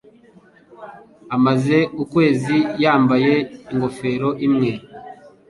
Amaze ukwezi yambaye ingofero imwe.